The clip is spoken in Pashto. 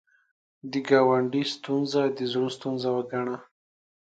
د ګاونډي ستونزه د زړه ستونزه وګڼه